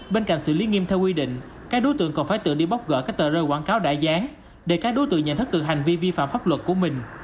bên cạnh xử lý nghiêm theo quy định các đối tượng còn phải tự đi bóc gỡ các tờ rơi quảng cáo đã dán để các đối tượng nhận thức được hành vi vi phạm pháp luật của mình